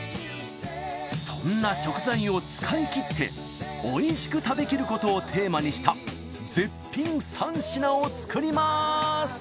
そんな食材を使い切って美味しく食べ切ることをテーマにした絶品３品を作ります！